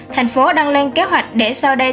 thành phố đang lên kế hoạch để sau đây